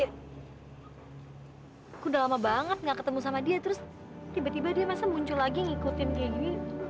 aku udah lama banget gak ketemu sama dia terus tiba tiba dia masa muncul lagi ngikutin kayak gini